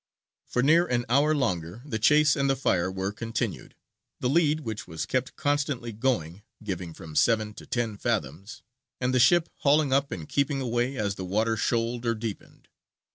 For near an hour longer the chase and the fire were continued; the lead, which was kept constantly going, giving from seven to ten fathoms, and the ship hauling up and keeping away as the water shoaled or deepened.